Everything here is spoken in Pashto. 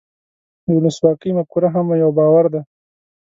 د ولسواکۍ مفکوره هم یو باور دی.